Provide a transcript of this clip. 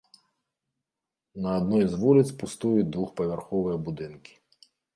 На адной з вуліц пустуюць двухпавярховыя будынкі.